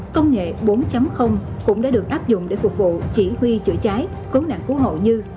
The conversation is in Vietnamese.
công nghệ bốn cũng đã được áp dụng để phục vụ chỉ huy chữa cháy cứu nạn cứu hộ như